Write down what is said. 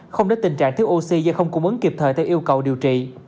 không để tình trạng thiếu oxy do không cung ứng kịp thời theo yêu cầu điều trị